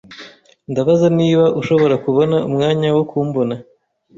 Ndabaza niba ushobora kubona umwanya wo kumbona.